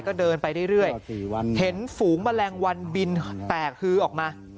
ก็เดินไปเรื่อยเห็นฝูงแมลงวันบินแตกฮือออกมา